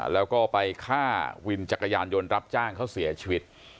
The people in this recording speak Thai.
แล้วก็ไปฆ่าวินจักรยานยนต์รับจ้างเขาเสียชีวิต